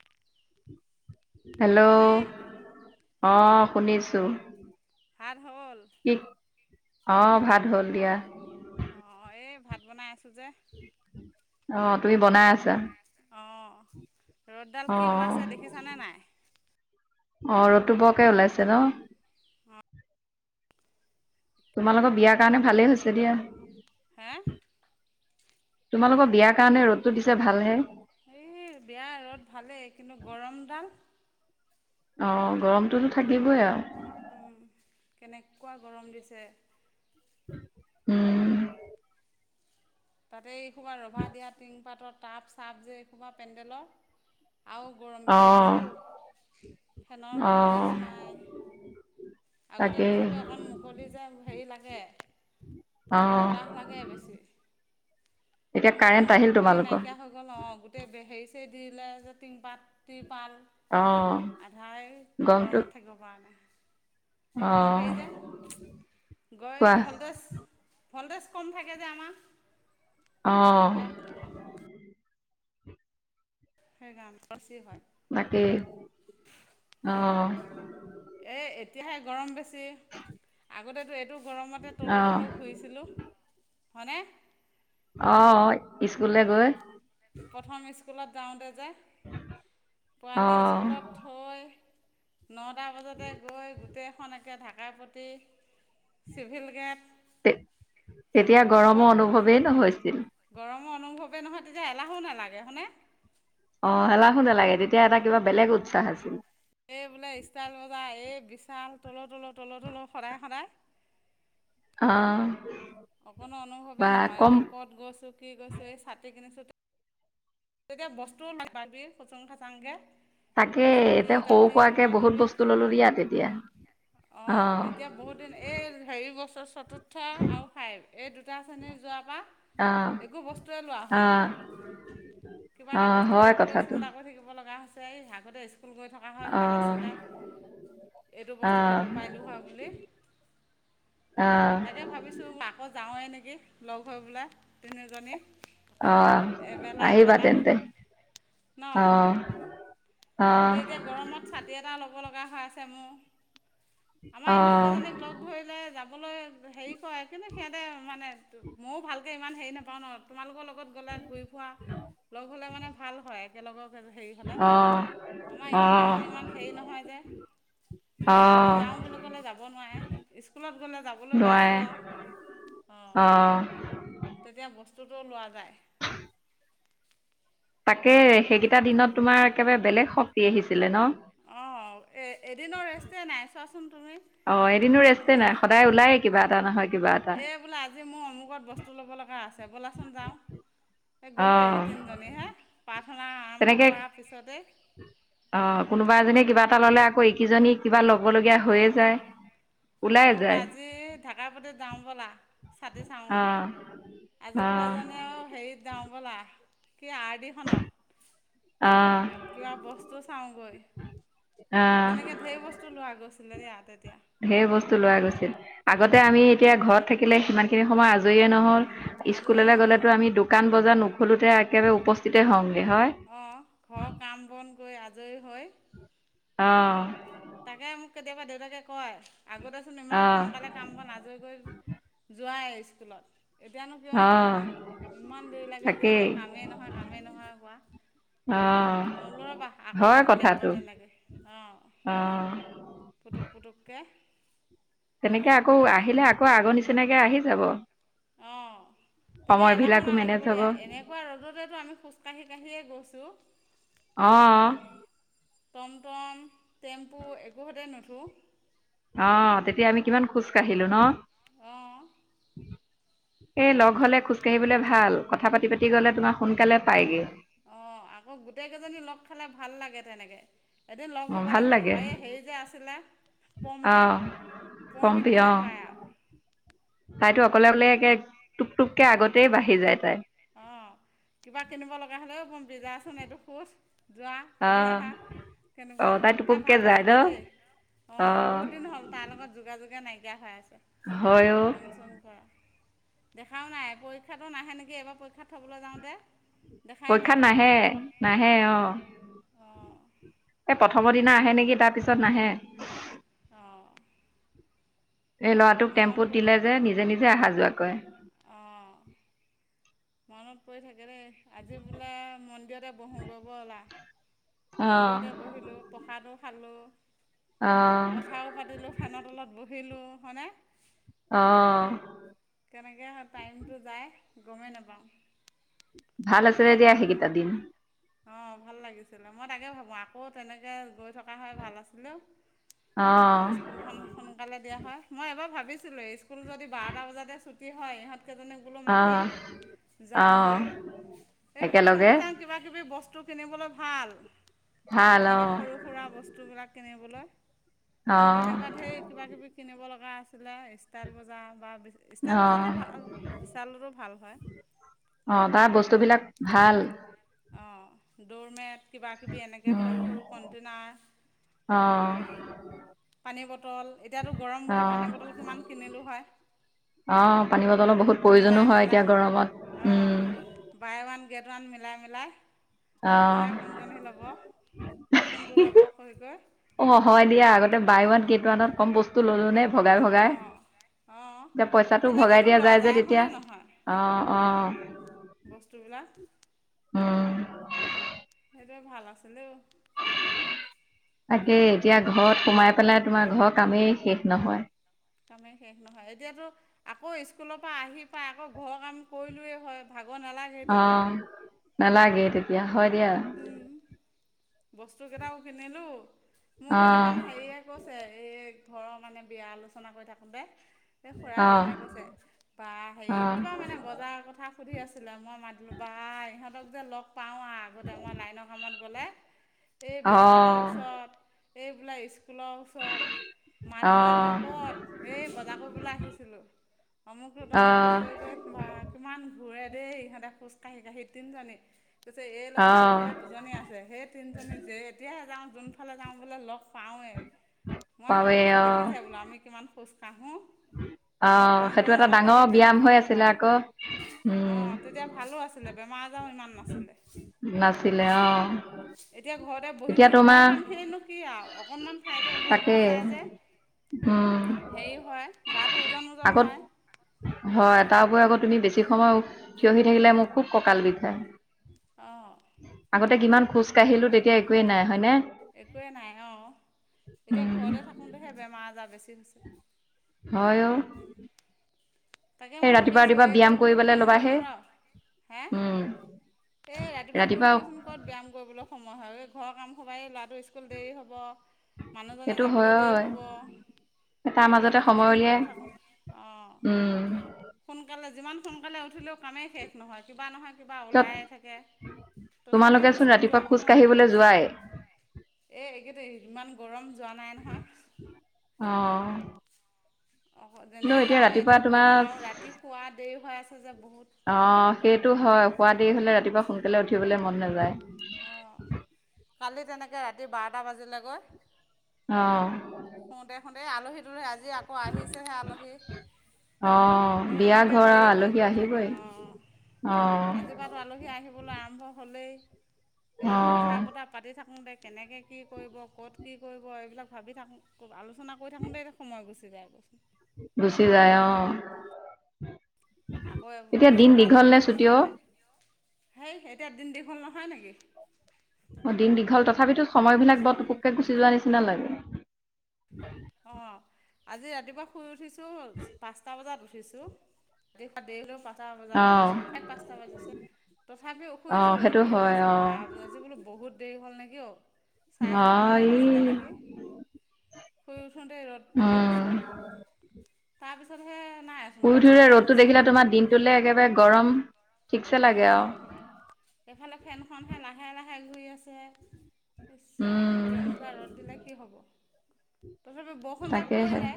[inaudible] Hello শুনিছানে অ' শুনিছো। ভাত হ'ল কি, অঁ ভাত হ'ল দিয়া। অঁ এই ভাত বনাই আছোঁ যে। অঁ তুমি বনাই আছা? অঁ ৰ'দডাল কি অঁ ওলাইছে দেখিছানে নাই? অঁহ ৰ'দটো বকে ওলাইছে ন? অঁ তোমালোকৰ বিয়াৰ কাৰণে ভালেই হৈছে দিয়া। হা? তোমালোকৰ বিয়াৰ কাৰণে ৰ'দতো দিছে ভালহে। এই বেয়া ৰ'দ ভালেই, কিন্তু গৰমডাল। অঁ গৰমটোতো থাকিবই আৰু। উম কেনেকুৱা গৰম দিছে। উম। তাতে এইসোবা ৰভা দিয়া টিং পাতৰ টাব চাব যে এইসোবা পেণ্ডেলৰ আৰু গৰম বেছি অঁ হৈছেও, ফেনৰ অঁ ভল্টেজ নাই। আগতে তাকেই তথাপি অকণ মুকলি যে হেৰি লাগ। অঁ বতাহ লাগে বেছি। কিন্তু এতিয়া কাৰেণ্ট আহিল হেৰি তোমালোকৰ নাইকিয়া হৈ গ'ল অ গোটেই হেৰি সেই দিলা যে তিন পাত টি পাল অঁ আধাই গৰমটো গৰমত থাকিব পৰা নাই। আৰু অঁ সেই যে গৈ কোৱা ভল্টেজ ভল্টেজ কম থাকে যে আমাৰ। অ। ইয়াত সেই গান বেছি হয়। বাকী অ। এই এতিয়াহে গৰম বেছি আগতেতো এইটো। গৰমতে তলও অঁ তলও ঘুইছিলোঁ হয়নে। অ অ, স্কুললে গৈ। প্ৰথম স্কুলত যাওঁতে যে পোৱালি অ', স্কুলত থৈ। নটা বজাতে গৈ গোটেইখনকে ঢাকা পতি। চিভিল গেট তে তেতিয়া ক'ত গৰমৰ অনুভৱেই নহৈছিল। গৰমৰ অনুভৱে নহয় তেতিয়া এলাহো নালাগে হয়নে। অ এলাহো নালাগে তেতিয়া এটা কিবা বেলেগ উৎসাহ আছিল। এই বোলে ষ্টাৰ বা এই। যাওঁ তল তল তল তল সদায় সদায়। অহ। অকো অনুভৱে নহয় ক'ত গৈছো কি গৈছো এই চাতি কিনিছো। তেতিয়া বস্তুও নাখাওঁ সুচুং খাচাংকে। তাকে এতিয়া সৰু কোৱাকে বহুত বস্তু ললোঁ দিয়া তেতিয়া। অ এতিয়া বহুত দিন এই হেৰি বছৰ। ওঠৰ আৰু ফাইভ এই দুটা শ্ৰেণীত যোৱাৰ পৰা। অ', একো বস্তুৱে লোৱা হোৱা অ', নাই। কিবা এটা অ', বস্তু হয় ল'বলৈও কথাটো। চিন্তা কৰি থাকিব লগা হৈছে। এই আগতে স্কুল গৈ থকা হয় ভাল অ', আছিলে। এইটো বস্তু ল'ব অ', পাৰিলোঁ হয় বুলি। অ', তাকে ভাবিছো ম আকৌ যাওঁৱেই নেকি লগ হৈ পেলাই তিনিজনী। অ আহিবা তেন্তে, অ। এ অ', এতিয়া গৰমত ছাতি এটা ল'ব লগা হৈ আছে মোৰ। আমাৰ অ', ইহঁতকেইজনীক লগ ধৰিলে যাবলৈ হেৰি ক কিন্তু সিহঁতে মানে মই ভালকৈ ইমান হেৰি নাপাওঁ ন তোমালোকৰ লগত গ'লে ঘূৰি ফুৰা। লগ হ'লে মানে ভাল হয় একেলগৰ হেৰি হলে। অ', আমাৰ ইহঁত অ', কেইজনীমান হেই হেৰি নহয় যে। আৰু অ', যাওঁ বুলি ক'লে যাব নোৱাৰে স্কুলত গ'লে যাবলৈ নোৱাৰে বাধ্য। অঁ অ। তেতিয়া বস্তুতটো লোৱা যায়। তাকেই সেইকেইটা দিনত তোমাৰ একেবাৰে বেলেগ শক্তি আহিছিলে ন। অ এ এদিনৰ ৰেষ্টে নাই চোৱা চোন। অ এদিনো ৰেষ্টে নাই সদায় ওলায়ে কিবা এটা নহয় কিবা এটা। এই আজি মোৰ অমুকত বস্তু ল'ব লগা আছে ব'লাচোন যাওঁ। এ গ'লো এ অ' তিনজনী হে পাচ। তেনেকে অ কোনোবা এজনীয়ে কিবা এটা ললে আকৌ একিজনী কিবা লব। হৈয়ে যায়। আকৌ বোললে যায় আজি ঢাকাপাতি যাওঁ বোলা ছাতি চাওঁগৈ। অ' আজি বোলো অ' এজনে আৰু হেৰিত যাওঁ। বলা কি আৰ ডিখনত। অ' কিবা বস্তু চাওঁগৈ, অ' তেনেকে ধেই বস্তু লোৱা গছুন যদি আতদিয়া ঢেই বস্তু লোৱা গৈছিল, আগতে আমি এতিয়া ঘৰত থাকিলে সিমান খিনি সময় আজৰিয়ে নহল। আজৰি স্কুললে নহয় গ'লেতো আমি দোকান বজাৰ নুখোলোতে একেবাৰে উপস্থিতে হওঁগ। কি হয়। গৈ আজৰি হয়। অঁ। তাকে মোক কেতিয়াবা দেউতাকে কয় আগতেচোন ইমান অ' সোনকালে কামবন আজৰি কৈ যোৱাই স্কুলত। এতিয়ানো কিয় অ' নোৱাৰা। ইমান দেৰি লাগে যে এতিয়া তাকেই। কামেই নহয় কামেই নহয় কোৱা। অ', মোৰ লবা আকৌ হয় যাব লাগিব কথাটো তেনেকে অঁ। অ', পুটুক পুটুকে। তেনেকে আকৌ আহিলে আকৌ আগৰ নিচিনাকে আহি যাব। অঁ। তেতিয়া এলাহো সময়বিলাকো মেনেজ নালাগিব হ'ব দিয়া, এনেকুৱা ৰ'দতেতো আমি খোজ কাঢ়ি কাঢ়িয়ে গৈছো। অহঁ। টমটম, টেম্পু একো হতে নুঠো। অঁ তেতিয়া আমি কিমান খোজ কাঢ়িলো ন? অঁ এ লগ বা হলে খোজকাাঢ়িবলে ভাল। কথা পাতি পাতি গ'লে তোমাক সোনকালে পায়গৈ। অঁ আকৌ গোটেই কেইজনী লগ খালে ভাল লাগে তেনেকে। এদিন লগ হ'ব অ', ভাল লাগিব লাগে ৰ'বা, এই হেৰি যে আছিলে পম্পী অ', পম্পী কোনে পায়। তাইতো অকলে অকলে টুক টুককে আগতেই বাঢ়ি যায় তাই। অঁ কিবা কিনিব লগা হ'লেও পম্পীজাচোন এইটো খোজ। যোৱা সুধি অ', আহা কেনেকুৱা, অ', তাই তাৰ টোপকে ভাল যায় ন আছিলে দেই। অঁ অ', বহুত দিন হ'ল তাৰ লগত যোগাযোগে নাইা। হৈ আছে হয় অ', ফোন চোন কৰা দেখাও নাই পৰীক্ষাটো নাহে নেকি এবাৰ। পৰীক্ষাত থ'বলৈ যাওঁতে পৰীক্ষাত নাই নাহে নাহে অঁ, এই অঁ প। প্ৰথমৰ দিনা আহে নেকি তাৰপিছত নাহে। অঁ লৰাটোক মনত টেম্পুত পৰি দিলে থাকে যে নিজে নিজে অহা যোৱা কৈয়। অঁ মনত পৰি থাকে দেই, আজি বোলা মন্দিৰতে বহুংগে বলা। আহ মন্দিৰতে বহিলো প্ৰসাদো খালোঁ, আহ কথাও পাতিলোঁ, ফেনৰ তলত বহিলোঁ হয়নে। অ। কেনেকৈ হয় টাইমটো যায় গমেই নাপাওঁ। ভাল আছিলে দিয়া হেইকিটা দিন। অ ভাল লাগিছিলে। মই তাকে ভাবো আকৌ তেনেকে গৈ থকা হৈ ভাল আছিলে ঔ। আহ স্কুলখন সোনকালে দিয়া হয়। মই এবাৰ ভাব ভাবিছিলো এ স্কুল যদি বাৰটা বজাতে ছুটি হয়, ইহঁত কেইজনীক বোলো মাতিম, আহ যাম আহ ৰহ। এই সুচুং একেলগে ফুচাং কিবা কিবি বস্তু কিনিবলৈ ভাল, ভাল অ তেনেকে সৰু সুৰা বচ বস্তুবিলাক কিনিবলৈ, অ মোৰ তেনেকুৱা অ ধেৰ কিব কিবি কিনিব লগা আছিলে। ষ্টাইল বজাৰ বা ষ্টাইল বজাৰতে ভাল, বিচালটো ভাল হয়। সেইবিলাক ভাল। অঁ দোৰমেট কিবা কিবি এনেকে সৰু উম সৰু কণ্টেইনাৰ। অ পানী বটল, এতিয়াতো গৰম অ বুলি পানী বটল কিমান কিনিলোঁ হয়। অ পানী বটলৰ বহুত মিলাই প্ৰয়োজনো হয় এতিয়া মিলাই গৰমত, অঁ উম। বাই ওৱান গেট ওৱান মিলাই মিলাই, কোনে কোনজনী ল'ব। কোনটো ল'ব কৈ কৈ অ অ হয় দিয়া আগতে বাই ওৱান গেট ওৱানত কম বস্তু ললোঁ নে ভগাই ভগাই। অঁ অঁ এতিয়া পইচাটো ভগাই তেনেকৈতো দিয়া লোৱা যায় যে তেতিয়া। হয়নে নহয় অ, অ। বস্তুবিলাক। উম। সেইটোৱেই ভাল আছিলে ঔ। তাকেই এতিয়া ঘৰত সোমাই পেলাই তোমাৰ ঘৰৰ কামেই শেষ নহয়। কামেই শেষ নহয়। এতিয়াতো আকৌ স্কুলৰ পৰা আহি পাই আকৌ ঘৰৰ কাম কৰিলোৱে হয় ভাগ অ নালাগে তেতিয়া, হয় দিয়া। বস্তু কেইটাও কিনিলোঁ। মোক সেইদিনাখন হেৰিয়ে কৈছে। এই ঘৰৰ মানে বিয়া আলোচনা কৰি থাকোঁতে। এই খুৰা অ এজনে কৈছে বা হেৰি অ অ কিবা মানে বজাৰৰ কথা সুধি আছিলে। মই মাত দিলোঁ, বা ইহঁতক যে লগ পাওঁ আৰু আগতে মই লাইনৰ কামত গ'লে। এই বিচালৰ ওচৰত, এইবিলাক স্কুলৰ ওচৰত। মাত অ দিলে বোলে অ ক'ত? এই বজাৰ কৰিবলে আহিছিলোঁ। অমুকটো অ তমুকটো কৰি কৰি বা কিমান ঘূৰে। দেই ইহঁতে খোজ কাঢ়ি কাঢ়ি তিনজনী। কৈছে এই অ লগত আৰু বোলে দুজনী আছে। সেই তিনিজনি যে এতিয়াহে যাওঁ। যোনফালে যাওঁ বোলে লগ পাওঁৱেই। মই সেইকাৰণে পাৱে কৈছোঁ অ দেখিছে বোলো আমি কিমান খোজ কাঢ়ো। অ আমাক সেইটো টমটমো এটা ডাঙৰ নালাগে, ব্যায়াম টেম্পুও হৈ আছিলে নালাগে। আকৌ অ, উম তেতিয়া ভালো আছিলে। বেমাৰ আজাৰো ইমান নাছিলে। নাছিলে অ এতিয়া ঘৰতে বহি এতিয়া বহি, ঘৰৰ তোমাৰ কাম খিনিনো কি আৰু অকনমান ঠাইতে ঘূৰি তাকে ফুৰা যায় যে। উম হেৰি হয়, গাটো ওজন ওজন হয়। কিন্তু বেছি সময় থিয় হৈ থাকিলে মোক খুব কঁকাল বিষায়। অঁ কিমান খোজ কাঢ়িলো তেতিয়া একোৱেই নাই হয় নে? একোৱেই নাই। অ, এতিয়া উম, ঘৰতে থাকোতেহে বেমাৰ আজাৰ বেছি হৈছে। হয় অ। তাকে এই মই ভাবি ৰাতিপুৱা আছোঁ। ৰাতিপুৱা এইকো ব্যায়াম বোলো কৰিবলৈ ফোন ল'বা কৰিম হে ৰ। হে? উম, এ ৰাতিপুৱা শুই উঠিচোন ক'ত ব্যায়াম কৰিবলৈ সময় হয়। এই ঘৰ কাম সোপায়ে স্কুল দেৰি হ'ব, মানুহজনে সেইটো যাবলৈ দেৰি হয় হ'ব। তাৰ মাজতে সময় এইবিলাকতচোন উলিয়াই কৰি থাকোঁ অ। উম, সোনকালে যিমান সোনকালে উঠিলেও কামেই শেষ নহয়। কিবা নহয় কিবা পিছত ওলাইয়ে থাকে। তথাপিওঁ তোমালোকেচোন স্কুল ৰাতিপুৱা যোৱাৰ খোজ কাঢ়িবলৈ যোৱাই সময়ত এই এইকেইদিন ইমান গৰম যোৱা নাই নহয়। অঁ অঁ যেনে কিন্তু যাওঁ ৰাতিপুৱা এতিয়া তোমাৰ গৰম আৰু ৰাতি শুৱা দেৰি হৈ আছে যে বহুত। অঁ সেইটো হয় শুৱা দেৰি হ'লে ৰাতিপুৱা সোনকালে উঠিবলৈ মন নাযায়। অঁ কালি তেনেকৈ ৰাতি বাৰটা বাজিলৈ গৈ অঁ শুওঁতে শুওঁতে আলহী। আজি আকৌ আহিছেহে আলহী। অঁ এই বিয়া এনেকৈ ঘৰ আৰু দেৰি হৈ আলহী গৈ থাকে আহিবই। অঁ অ', আজিৰ পৰাটো আলহী আহিবলৈ আৰম্ভ হ'লেই। এতিয়াতো কথা অ', বতৰা পাতি থাকো দে কেনেকে কি কৰিব ক'ত। কি কৰিব এইবিলাক ভাবি থাকোঁ আলোচনা কৰি থাকোঁ দেই সময় গুচি যায় কৈছোঁ। গুচি যায় অঁ। আকৌ চব আলহী গোট ছুটি খাই অ'? যে। সেই এতিয়া দিন দীঘল নহয় নেকি। মই দিন দীঘল তথাপিতো সময় বিলাক বৰ পুকে গুচি যোৱাৰ নিচিনা লাগে। অঁ আজি ৰাতিপুৱা শুই উঠিছোঁ পাঁচটা বজাত। দিছোঁ অপত দিলোঁ পা পাঁচটা বজাত অ', উঠিছো প্ৰায় পাঁচটা বাজিছে, তথাপি শুই অ', উঠিছোঁ সেইটো ৰদ টো হয় ওলাইছো বা অ', আজি বোলো বহুত দেৰি হ'ল নেকি অ। চাৰে ছটামানে নাই বাজিলে নেকি শুই উঠোঁতে ৰ'দটো দেখিছোঁ, তাৰপিছতহে নাইচোন শুই পাঁচটা ধুইে ৰ'দতটো বাজিছেহে দেখিলে তোমাৰ দিনটোলৈ একেবাৰে গৰম ঠিকছে লাগে আৰু অঁ এইফালে ফেনখনহে লাহে লাহে ঘূৰি আছে। ইছ ৰাম, উম, বুলো এনেকুৱা ৰদ দিলে কি হ'ব। তথাপি বৰষুণ জাক তাকেহে পৰিলে,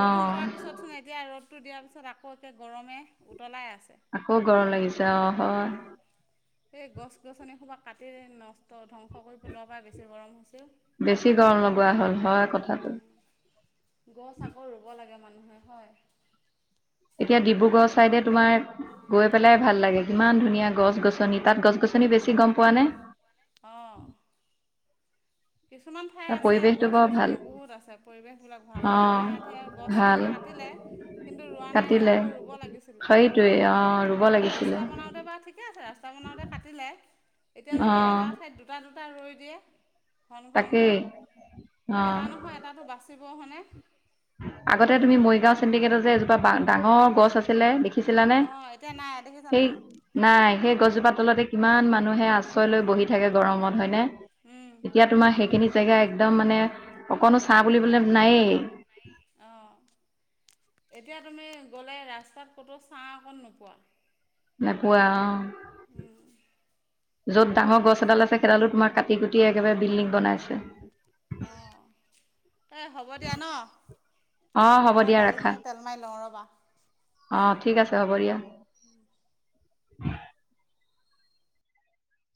বৰষুণ পোৱাৰ পিছত চুন এতিয়া ৰ'দ টো দিয়াৰ পিছত আকৌ একে গৰমে উতলাই আ আকৌ গৰম লাগিছে অ হয়। এই গছ গছনি হুপা কাটি নষ্ট, ধ্বংস। কৰি পেলোৱা পৰা বেছি গৰম হৈ হৈছে অ। বেছি গৰম লগোৱা হ'ল, হয় কথাটো নহয়। এতিয়া ডিব্ৰুগড় চাইডে তুমাৰ গৈ পেলাই ভাল লাগে, কিমান ধুনীয়া গছ গছনি তাত গছ গছনি নি বেছি গম পোৱা নে? অঁ কিছুমান ঠাই তাৰ আছে পৰিৱেশটো গছ বৰ ভাল গছনি বহুত আছে, পৰিৱেশ বিলাক ভাল অ আমাৰ ইয়াতহে গছ ভাল খিনি কাটি নে নে কিন্তু ৰোৱা নাই যে কাটিলে আকৌ ৰুব লাগিছিলে, সেইটোৱে অ ৰুব লাগিছিলে ৰাস্তা বনাওতে বা ঠিকে আছে ৰাস্তা বানতে কাটিলে এতিয়া অ যদি এটা ঠাইত দুটা দুটা ৰুই দিয়ে ঘন ঘনকে তাকেই অ এটা নহয় এটাটো বাচিব হয় নে। আগতে তুমি মৰিগাঁও চিণ্ডিকেট যে এজোপা ডাঙৰ গছ আছিলে দে দেখিছিলা নে, অঁ এতিয়া নাই দেখিছা সেই নাই? নাই সেই গজোপাতলতে কিমান মানুহে আশ্ৰয়লৈ বহি থাকে গৰমত হয়নে। উম এতিয়া তোমাৰ সেইখিনি জেগা নহ একদম মানে অকণো চা বুলিবলে নায়েই। অহ এতিয়া তুমি গ'লে ৰাস্তাত ক'তো ছাঁ অকণ নোপোৱা। নোপোৱা অহ। [unintelligible] য'ত ডাঙৰ গছ এডাল আছে সেইডালো তোমাৰ কাটি কুটি একেবাৰে বিল্ডিং বনাইছে। অহ এ হ'ব দিয়া, ন অ হ'ব মই দিয়া ৰাখা দালিখিনি তেল মাৰি লওঁ ৰ'বা। অ ঠিক আছে হ'ব দিয়া।